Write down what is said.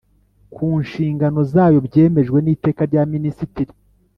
ku nshingano zayo byemejwe n iteka rya minisitiri